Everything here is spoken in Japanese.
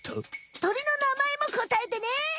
鳥の名前もこたえてね！